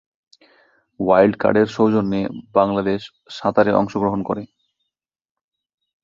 Wild কার্ডের সৌজন্যে বাংলাদেশ সাঁতারে অংশগ্রহণ করে।